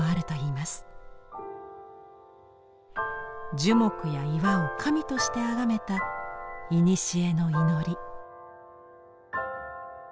樹木や岩を神としてあがめたいにしえの祈り。